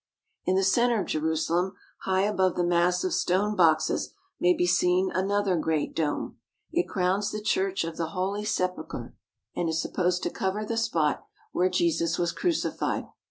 In the center of Jerusalem, high above the mass of stone boxes, may be seen another great dome. It crowns the 354 ASIATIC TURKEY Church of the Holy Sepulchre, and is supposed to cover the spot where Jesus was crucified.